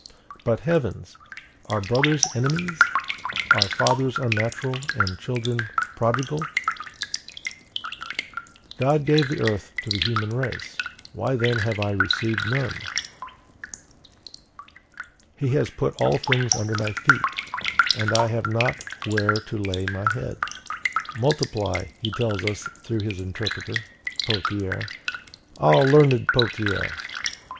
But, heavens! are brothers enemies? Are fathers unnatural, and children prodigal? GOD GAVE THE EARTH TO THE HUMAN RACE: why then have I received none? HE HAS PUT ALL THINGS UNDER MY FEET, and I have not where to lay my head! MULTIPLY, he tells us through his interpreter, Pothier. Ah, learned Pothier!